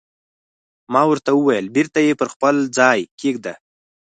ما ورته وویل: بېرته یې پر خپل ځای کېږده.